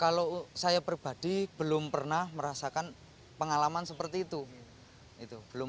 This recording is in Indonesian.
kalau saya pribadi belum pernah merasakan pengalaman seperti itu